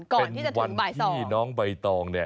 ก่อนที่จะถึงบ่าย๒ค่ะเป็นวันที่น้องใบตองเนี่ย